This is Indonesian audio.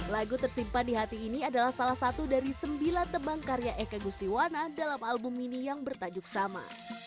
lagu tersimpan di hati ini adalah salah satu dari sembilan tebang karya eka gustiwana dalam album mini yang bertajuk sama